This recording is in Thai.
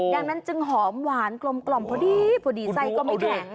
ดังนั้นจึงหอมหวานกลมพอดีพอดีไส้ก็ไม่แข็ง